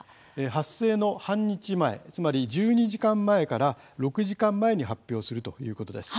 発生の半日前、つまり１２時間前から６時間前に発表するということです。